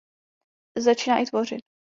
Začíná i tvořit.